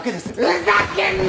ふざけんな！